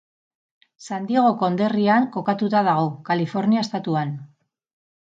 San Diego konderrian kokatuta dago, Kalifornia estatuan.